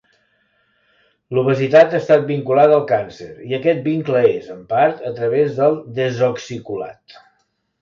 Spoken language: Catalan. L'obesitat ha estat vinculada al càncer, i aquest vincle és, en part, a través del desoxicolat.